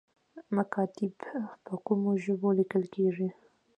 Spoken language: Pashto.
مکاتیب په کومو ژبو لیکل کیږي؟